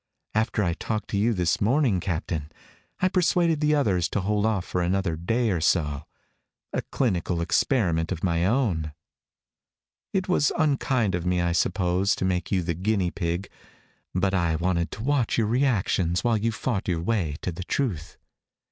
"After I talked to you this morning, Captain, I persuaded the others to hold off for another day or so. A clinical experiment of my own. "It was unkind of me, I suppose, to make you the guinea pig. But I wanted to watch your reactions while you fought your way to the truth.